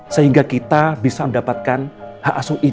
sehingga kita bisa mendapatkan hak asuh ini pak